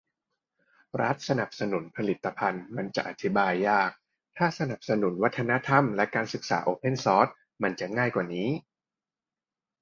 รัฐสนับสนุนผลิตภัณฑ์มันจะอธิบายยาก ถ้าสนับสนุนวัฒนธรรมและการศึกษาโอเพนซอร์สมัยจะง่ายกว่านี้